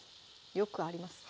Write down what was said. よくあります